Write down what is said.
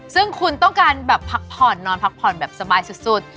ซึ่งคุณต้องการแบบพักผ่อนนอนพักผ่อนแบบสบายสุด